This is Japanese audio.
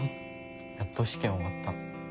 やっと試験終わった。